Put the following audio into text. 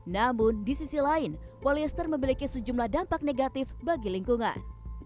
namun di sisi lain polyester memiliki sejumlah dampak negatif bagi lingkungan